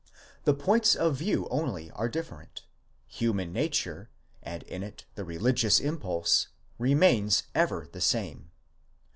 The points of view only are different: human nature, and in it the religious impulse, remains ever the same.